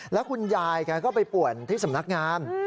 แล้วคุณยายแกก็ไปป่วนที่สำนักงาน